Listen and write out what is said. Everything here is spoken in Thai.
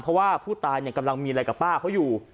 เพราะว่าผู้ตายกำลังมีอะไรกับป้าเขาอยู่